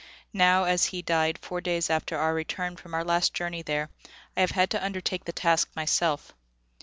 Now, as he died four days after our return from our last journey there, I have had to undertake the task myself.